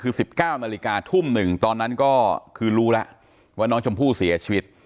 คือ๑๙นาฬิกาทุ่มหนึ่งตอนนั้นก็คือรู้แล้วว่าน้องชมพู่เสียชีวิต